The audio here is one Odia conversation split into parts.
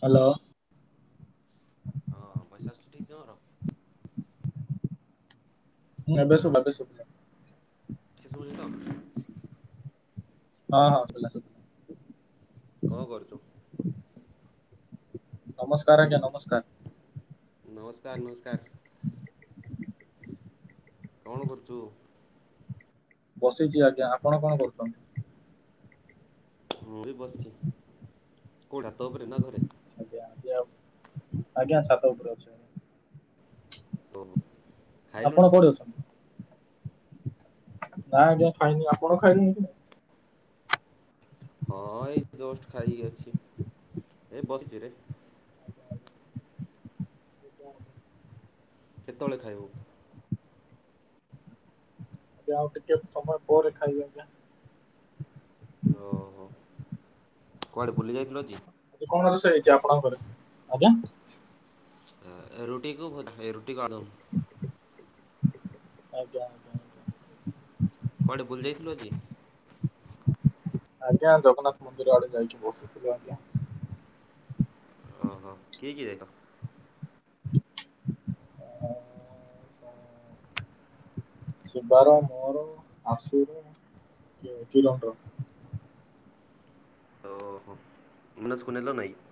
ହାଲୋ। ହଁ ପଇସା ଆସୁଚି ଠିକ୍ ତମର? ଏବେ ଶୁଭା, ଏବେ ଶୁଭିଲା। ଶୁଭୁଚି ତ? ହଁ ହଁ ଭଲ ସବୁ। କଁ କରୁଚୁ? ନମସ୍କାର୍ ଆଜ୍ଞା ନମସ୍କାର୍। ନମସ୍କାର୍ ନମସ୍କାର୍। କଣ କରୁଚୁ? ବସିଛି ଆଜ୍ଞା ଆପଣ କଣ କରୁଛନ୍ତି? ମୁଁ ବି ବସିଛି କୋଉଠା ତ ଉପରେ ନା ଘରେ? ଆଜ୍ଞା ଛାତ ଉପରେ ଅଛି। ଆଜ୍ଞା। ଓହୋ। ଖାଇଲୁଣି? ଆପଣ କୋଉଠି ଅଛନ୍? ନା ଆଜ୍ଞା ଖାଇନି ଆପଣ ଖାଇ ହଁ ଏଇ ଜଷ୍ଟ୍ ଖାଇ ଆଛି ଏଇ ବସ୍ ଚି ରେ। [inaudible] କେତେବେଳେ ଖାଇବୁ? ଆଜ୍ଞା ଆଉ ଟିକେ ସମୟ ପରେ ଖାଇବି ଆଜ୍ଞା। ଓହୋ। କୁଆଡ଼େ ବୁଲି ଯାଇଥିଲୁ ଆଜି? କଣ ରୋଷେଇ ହେଇଛି ଆପଣ ଘରେ, ଆଜ୍ଞା? ଆ ରୁଟିିକୁ ଭ ରୁଟିକୁ ଅଳୁଦମ୍। ଆଜ୍ଞା। କୁଆଡ଼େ ବୁଲି ଯାଇଥିଲୁ ଆଜି? ଆଜ୍ଞା, ଆଉ ଜଗନ୍ନାଥ ମନ୍ଦିର ଆଡ଼େ ଯାଇକି ବସିଥିଲୁ ଆଜ୍ଞା। ଓହୋ। କିଏ କିଏ ଯାଇଥିଲ? ସ [unintelligible] ଶିବାର, ମୋର, ଆଶୁ ର, ଏ କିରନ୍ ର। ଓହୋ। ମାନସ କୁ ନେଲ ନାଇଁ କି?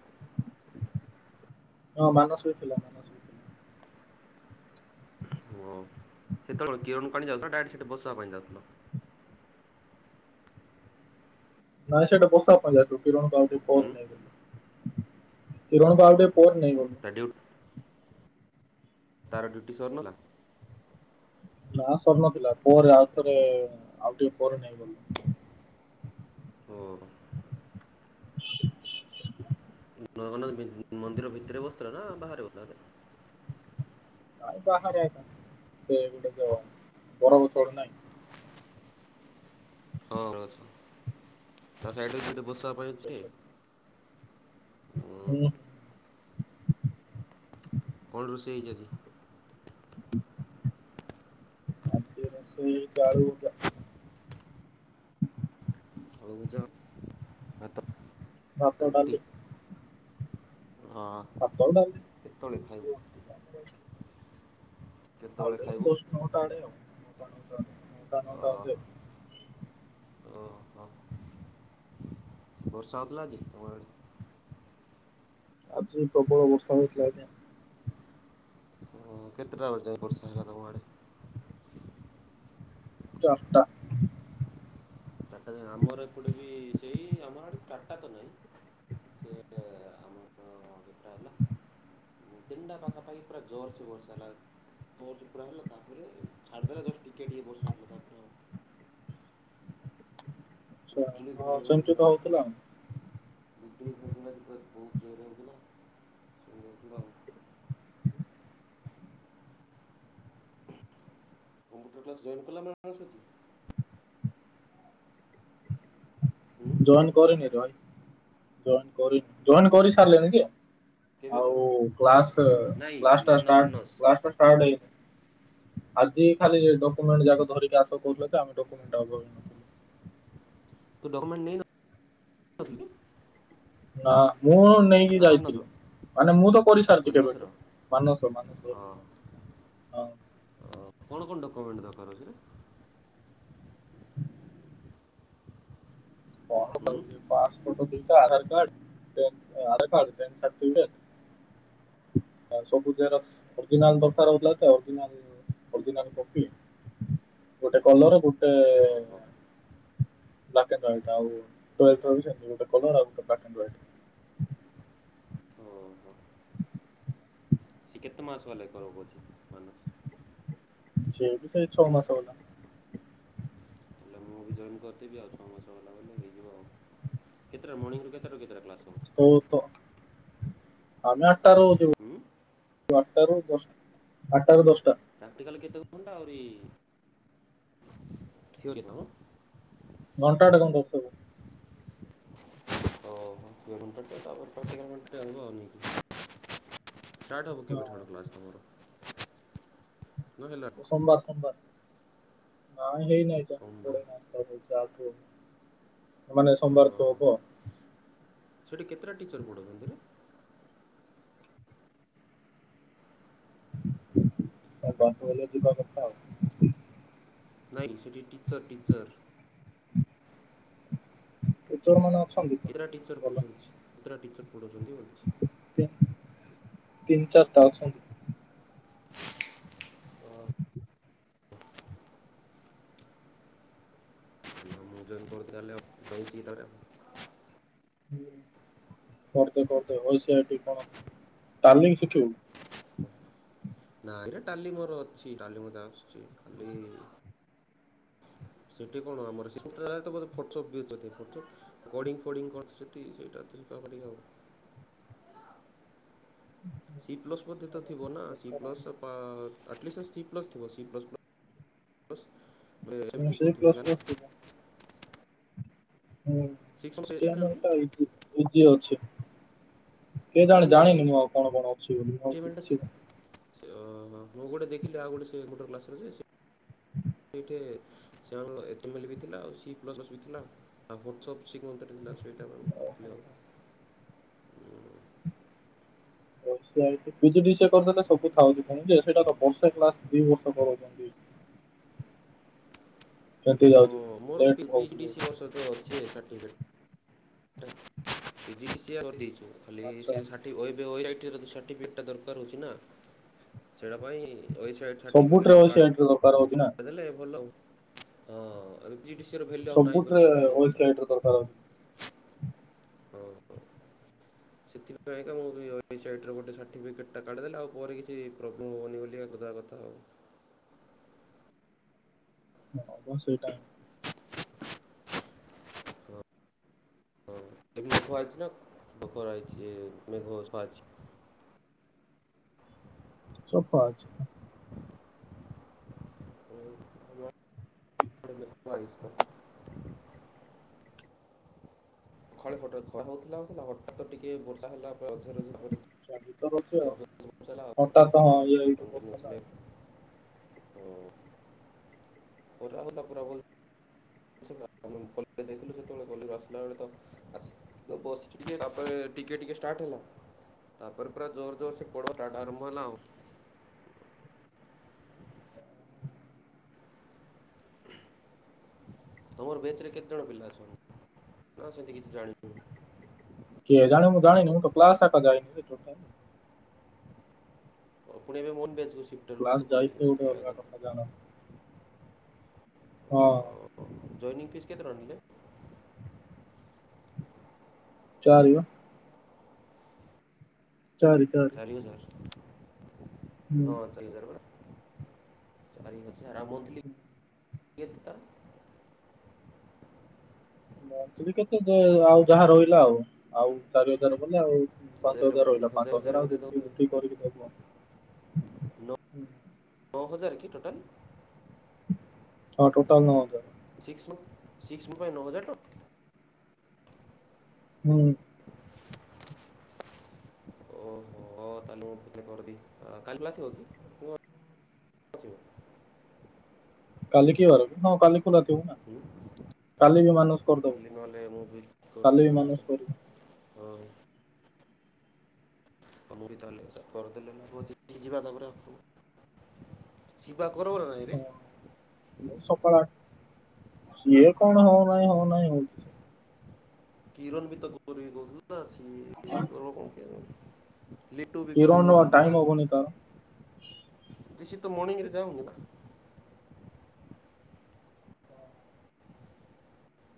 ହଁ ମାନସ ବି ଥିଲା, ମାନସ ବି ଥିଲା ଓ। ସେତେବେଳେ କିରଣ କୁ ଆଣିଯାଉଥିଲ ଡାଇରେକ୍ଟ ସେଠି ବସିବା ପାଇଁ ଯାଉଥିଲ। ନାଇଁ ସେଇଟି ବସିବା ପାଇଁ ଯାଇଥିଲୁ କିରଣ କୁ [unintelligible] ହୁଁ। କିରଣ କୁ ଆଉ ଟିକେ ପରେ ନେଇଗଲୁ। ଡ୍ୟୁ ତାର ଡ୍ୟୁଟି ସରିନଲା। ନା ସରି ନଥିଲା। ପରେ ଆଉ ଥରେ ଆଉ ଟିକେ ପରେ ନେଇ ଗଲୁ। ଓହୋ। [unintelligible] ମନ୍ଦିର ଭିତରେ ବସିଥିଲ ନା ବାହାରେ ବସିଥିଲା [unintelligible] ଆଏ ବାହାରେ ଏକା। ସେ ଗୁଟେ ଯଉ ବଣ [unintelligible] ନାଇଁ ହଁ ଅଛି। ତା ସାଇଟରେ ବସିବା ପାଇଁ ଅଛିଟି? ସେଠି ହୁଁ। କଣ ରୋଷେଇ ହେଇଛି ଆଜି? ସେ ରୋଷେଇ ହେଇଛି ଆଳୁ ଭଜା ଭଉଜ ଭାତ। ଭାତ, ରୁଟି ଡାଲି। ହଁ। ଭାତ ଆଉ ଡ଼ାଲି। କେତେବେଳେ ଖାଇବୁ। ରୁଟି ଆଉ କେତେବେଳେ ଟିକେ ଖାଇବୁ ଦଶ ନଅ ଟା ଆଡେ ଆଉ। ନଅ ଟା, ନଅ ଟା, ନଅ ଟା, ନଅ ଟା [unintelligible] ଓହୋ। ବର୍ଷା ହଉଥିଲା ଆଜି ତମ ଆଡେ। ଆଜି ପ୍ରବଳ ବର୍ଷା ହେଇଥିଲା ଆଜ୍ଞା। ଅଁ କେତେଟା ବଜେ ବର୍ଷା ହେଲା ତମ ଆଡ଼େ? ଚାରଟା। ଚାରିଟା ଯାଏଁ। ଆମର ଏପଟେ ବି ସେଇ ଆମର ଆଡ଼େ ଚାରିଟା ତ ନାଇଁ। ତିନଟା ପାଖା ପାଖି ପୁରା ଜୋରସେ ବର୍ଷା ହେଲା। ଜୋରସେ ପୁରା ହେଲା ତାପରେ ଛାଡିଦେଲା, ଜଷ୍ଟ୍ ଟିକେ ଟିକେ ବର୍ଷା ହେଲା ତାପରେ ଆଉ ଆଚ୍ଛା ବିଜୁଳି ହଁ ଘଡଘଡି ସେମିତି ତ ପୁରା ହଉଥିଲା ଆଉ ବିଦ୍ୟୁତ [inaudible] ପୁରା ବହୁତ ଜୋରରେ ହେଉଥିଲା ସେ ହେଉଥିଲା ଆଉ। କମ୍ପ୍ୟୁଟର କ୍ଲାସ୍ ଜଏନ କଲ ନା [inaudible] ହୁଁ ଜଏନ କରିନି ରେ ଭାଇ। ଜଏନ କରି, ଜଏନ କରି ସାରିଲିଣି ଯେ କେବେ ଆଉ କର କ୍ଲାସ, ନାଇଁ କ୍ଲାସ ଟା ମାନସ ଷ୍ଟାର୍ଟ ମାନସ କ୍ଲାସଟା ଷ୍ଟାର୍ଟ ହେଇନି। ଆଜି ଖାଲି ଡକ୍ୟୁମେଣ୍ଟ ଯାକ ଧରିକି ଆସ କହୁଥିଲେ ତ ଆମେ ଡକ୍ୟୁମେଣ୍ଟ ଟା [unintelligible] ତୁ ଡକ୍ୟୁମେଣ୍ଟ ନେଇନା [unintelligible] ନ୍ତି କି? ନା, ମୁଁ ନେଇକି ନା ମାନସର ଯାଇଥିଲି। ମାନେ ମୁଁ ତ କରିସାରିଛି ମାନସର କେବେଠୁ। ମାନସ ର ମାନସ ର ଅ କଣ କଣ ଡକ୍ୟୁମେଣ୍ଟ ଦରକାର ଅଛିରେ? କଣ ହୁଁ ଦରକାର ହଉଛି, ପାସପୋର୍ଟ [unintelligible] ଦିଟା, ଆଧାର କାର୍ଡ, ଏ ଆ ଆଧାର କାର୍ଡ, ପେନ ସାର୍ଟିଫିକେଟ। ଆ ସବୁ ଜେରକ୍ସ। ଅରଜିନାଲ ଦରକାର ହଉଥିଲା ତ ଅରଜିନାଲ। [inaudible] ଗୋଟେ କଲର ଗୋଟେ ଓହୋ [inaudible] ଓ ହୋ। ସେ କେତେ ମାସ ହେଲା କର କହୁଛି ମାନସ। ଯିଏ ବି ସେଇ ଛଅ ମାସ ହେଲା। ହେଲେ ମୁଁ ବି ଜଏନ୍ କରିଦେବି ଆଉ ଛଅ ମାସ ହେଲା ବ ହେଇଯିବ ଆଉ କେତେଟା ମର୍ଣିଙ୍ଗରୁ କେତଟାରୁ କେତଟା କ୍ଲାସ ହେବ? ମୁଁଉ ତ ଆମେ ଆଠଟା ହଉଥିବୁ। ହୁଁ। ଆଠଟାରୁ ଦଶଟା ଆଠଟାରୁ ଦଶଟା। ପ୍ରାକ୍ଟିକାଲ କେତେ ଘଣ୍ଟା ଆହୁରି ଥିଓରୀ ହେବ? ଘଣ୍ଟାଟା କଣ ସେପି ଓହୋ ଥିଅରୁମ୍ ଟା ତ ତାପରେ ପ୍ରାକ୍ଟିକାଲ ପାଇଁ ଠିଆ ହବନି। ଷ୍ଟାର୍ଟ ହବ କେବେଠାରୁ ହଁ କ୍ଲାସ ତମର ନା ହେଲାଣି। ସୋମବାର ସୋମବାର ନାଇ ହେଇ ନାଇ ତ ସୋମବାର ମାନେ ସୋମବାର ତ ଓହୋ ହବ। ସେଠି କେତେଟା ଟିଚର ପଢ଼ା ଉଛନ୍ତିରେ? ଦଡୁ ହେଲେ ଜିବା କଥା ଆଉ। ନାଇଁ ସେଠି ଟିଚର ଟିଚର ଯୋଉମାନେ ଅଛନ୍ତି? ତ କେତେଟା ଟିଚର୍ ଭଲ ପଢ଼ଉଛନ୍ତି କେତେଟା ଟିଚର୍ ପଢ଼ାଉଛନ୍ତି? ତିନି ଚାରିଟା ଅଛନ୍ତି। ଆଉ ମୁଁ ଜଏନ୍ କରୁଥିଲି ହେଲେ ରହୁଛିି ତାପଳେ। କରଦେ କରଦେ ହ ସେ ଏଠି କଣ ତାଲିମ୍ ଶିଖିବୁ? ନାଁ ଏଇଟା ଟାଲି ମୋର ଅଛି ଟାଲି ମତେ ଆସୁଛି ଖାଲି ସେଠି କଣ ଆମର ଫଟପ [inaudible] ବି ଗୋଡିଂ ଫୋଡିଂ କରୁଚନ୍ତି ସେଟା ତ ବଡି ହବ। ସି ପ୍ଲସ୍ ମଧ୍ୟ ତ ଥିବ ନା ସି ଦରକାର। ପ୍ଲସ୍ ଏଟିଲିଷ୍ଟ ସି ପ୍ଲସ ଥିବ ସି ପ୍ଲସ ପ୍। ଏ ମୁଁ ସେମିତି ସେଇ କହୁଥିବେ ପ୍ଲସ୍ ପ୍ଲସ୍ ତାହେଲେ। ଥିବ ହୁଁ ସିକ୍ସ ସିରିକ୍ର୍ଣୀୟର ଟା ନାଇଁ ଇଯି ଇଜୀ ଅଛି। କେଏ ଯାଣେ ନାଇଁ ଏଚ୍ ଯାଣିନି ମୁଁ ଆଉ କଣ କଣ ଅଛି ବୋଲି କିଛି। ହଁ ମୁଁ ଗୋଟେ ଦେଖିଲି ଆଉ ଗୋଟ ସେ ଗୋଟେ କ୍ଲାସରେ ଟିକେ ଏଚଟିମେଲ ଥିଲା ସି ପ୍ଲସ ବି ଥିଲା। ଆଉ ବୋଥି ଶିଖି ମନ୍ତ୍ର ଥିଲା ସେଇଟା ପା ଖୋଜୁଥିଲି ଆଉ। ପିଯିଡିଶିଏ କରିଦେଲେ ସବୁ ଥାଉଚି ପୁଣି ଯେ ସେଇଟା ତ ବର୍ଷେ କ୍ଲାସ ଦି ବର୍ଷ କରାଉଛନ୍ତି। ଏଠିକି ଯାଉଛି। ହଁ ମୋର ଲେଟ୍ ପି ହଉଛି ଡ଼ି ବହୁତ ସି ବର୍ଷ ତ ଅଛି certificate P G D C A କରି ଦେଇଛୁ ଖାଲି ଆଚ୍ଛା। ସେ ଏବେ ଅଇରାଟି ତ ସାର୍ଟିଫିକେଟା ଦରକାର ହେଉଛି ନା। ସେଇଟା ପାଇଁସ ସାର୍ଟିଫିକେଟ୍ ସବୁଥିରେ ଗୋଟେ ୱେବସାଇଟ ର ଦରକାର ହଉଛି ନା କାର୍ଡ଼ ଦେଲେ ଭଲ ହିଁ ପି ଜି ଡି ସିଏ ର ବେଲୁର ଆଉ ନାହିଁ ସବୁଥିରେ ସେଇଟା ତ କଥା। [inaudible] ହଉ ହଉ। ସେଥିପାଇଁକା ମୁଁ ସାଇଟ୍ର ଗୋଟେ ସାର୍ଟିଫିକେଟ୍ କା଼ଡି ଦେଲେ ଆପରେ କିଛି ପ୍ରୋବ୍ଲେମ୍ ହେବନି ବୋଲି କ ଦେବା କଥା। ଆଉ ହଁ ମ ସେଇଟା ହଁ [inaudible] ସଫା ଅଛି। ହ ଖରା ଥିଲା ଥିଲା ହଠାତ ଟିକେ ବର୍ଷା ହେଲା ପରେ ଝର ଝର [unintelligible] ଭିତରେ ଅଛ? ପଡିଥିଲା। [unintelligible] [unintelligible] [unintelligible] ଯେତେବେଳେ ଆସିଲା ବସିଚୁ ଟିକେ ତାପରେ ଟିକେ ଟିକେ ଷ୍ଟାର୍ଟ ହେଲା ତାପରେ ପୁରା ଜୋର ଜୋର ସେ ପଡ଼ ଆରମ୍ବ ହେଲା ତମର ବ୍ୟାଚ ରେ କେତେଜଣ ପିଲା ଅଛନ୍ତି ନା ସେମିତି କିଛି ଜାଣିନୁ। କେଜାଣି ମୁଁ ଜାଣିନି ମୁଁ କ୍ଲାସ ଯାଇନି ଟୋଟାଲ। ଆପଣ ଏବେ ମନ [unintelligible] କ୍ଲାସ ଯାଇଥିଲେ ଗୋଟେ ଅଲଗା ଜାଣିବା କଥା ହଁ ଜନିଂ ଫିସ୍ କେତେ ଟଙ୍କା ନେଲେ? ହୁଁ ଚାରି ପା ଚାରି ଚାଟି। ଓ ହଁ। ଚାରି ହଜାର ବଳେ ଚାରି ହଜାର ମନ୍ଥଲି ତାର ବି କେତେ ଆଉ ଯାହା ରହିଲା ଆଉ ଆଉ। ଚାରି ହଜାର ବଲେ ଆଉ ପାଞ୍ଚ ହଜାରେ ହଜାର ବୋଧେ ରହିଲା ପାଞ୍ଚ ହଜାର ଆଉ ସେତିକି ଯେତିକି କରିକି ଦେବ। ନ ନଅ ହଜାର କି ଟୋଟାଲ। ହଁ ଟୋଟାଲ ନଅ ହଜାର। ସିକ୍ସ ସିକ୍ସ ପାଇଁ ନଅ ହଜାର ଟା ହୁଁ। ଓହୋ। ହ ତାଲୁ କରଦି କାଲି ଖୁଲା ଥିବ କି? କଣ ଥିବ କାଲିିି କି ବାର କି? ହଁ କାଲି ଖୋଲାଥିବ ନା। ହୁଁ। କାଲି ବି ମାନୁ ଖାଲି ନହେଲେ ମୁଁ ବି କରିଦେଲେ ହବ ମାନସ ତ। କରିବ ହଉ। ବି ତାହଲେ କରିଦେଲେ ଯିବା ତାପରେ ଯିବା କର ସେଇରେ ହଁ। ସକାଳ ଆ ସିଏ କଣ ହଉନାହିଁ ହଉନାହିଁ ହଉଛି ସେ କିରଣ ବି ତ ଗୋର କହୁଥିଲା ସଏ ଗବ କଣ କି? ଲିଟୁ ବି କିରଣ କରିବି ଟାଇମ ବୋଲି ହବନି ତାର। ଦେସିୀ ତ ମର୍ଣିଂରେ ଯାଉନି।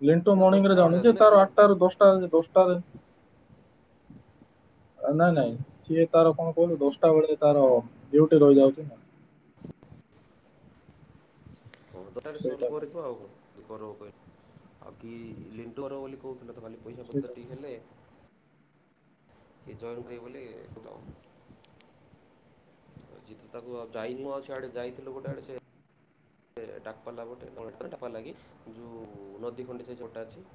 ଲେଣ୍ଟୁ ସିଏ ତ ମର୍ଣ୍ଣିଂ ରେ ଦଶଟା ବେଳେ ଯାଉନି ଯେ ଯାଉଛି ନା ତାର କିରଣ ଆଠଟା ର ଦଶଟା ଦଶଟା ନାଇ ହୁଁ ନାଇଁ ସିଏ ତାର କଣ କହୁଛୁ ଦଶଟା ବେଳେ ତାର ଡ୍ୟୁଟି ରହିଯାଉଛି ନା। ହଁ ତଟାେ ସର୍ଭ ସେଇଟା କଣ କରିଥିବ ଆଉ କଣ କର କହିଲେ ଆଉ କି ଲିଣ୍ଟୁ କରିବ ବୋଲି କହୁଥିଲେ ତ ଖାଲି। ପଇସା ସେଇଟା ପତ୍ରଟି ହେଲେ କିଏ ଜଏନ୍ କରିବେ ବୋଲିଥାଉ। ଜ ତ ତାକୁ ଆଉ ଯାଇନୁ ଆଉ ସେଆଡେ ଯାଇଥିଲୁ ଗୋଟେ ଆଡେ ସେ ଡାଲାଟୋ ଲାଗି ଯୋଉ ନଦୀ ଖଡି ସେ ଯୋଟା ଅଛି।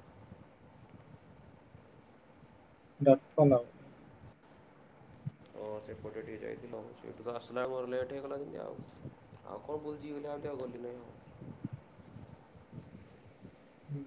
ଡଟ୍ କମ୍ ଆଉ। ହଁ ସେପଟେ ଟିକେ ଯାଇଥିଲ ସେଇଠୁ ତ ଆସିଲା ମୋର ଲେଟ୍ ହେଇଗଲା ଯେମିତି ଆଉ ଆଉ। କଣ [unintelligible] ହୁଁ।